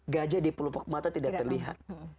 gajah di pelupak mata tidak terlihat